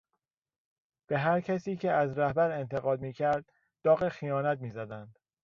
به هر کسی که از رهبر انتقاد میکرد داغ خیانت میزدند.